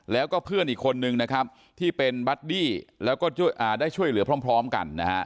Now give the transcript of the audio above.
แล้วก็เพื่อนอีกคนนึงนะครับที่เป็นบัดดี้แล้วก็ได้ช่วยเหลือพร้อมกันนะฮะ